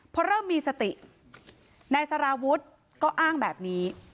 พอเริ่มมีสตินายสารวุฒิก็อ้างแบบนี้